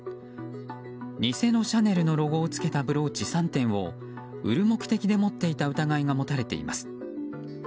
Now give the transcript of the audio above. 偽のシャネルのロゴをつけたブローチ３点を売る目的で持っていた疑いが持たれています。